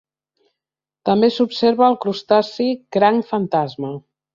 També s'observa el crustaci Cranc Fantasma.